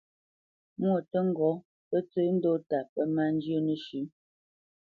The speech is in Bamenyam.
Mwô tə́ ŋgɔ́, pə́ tsə́ ndɔ́ta pə́ má njyə́ nəshʉ̌.